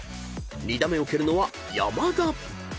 ２打目を蹴るのは山田］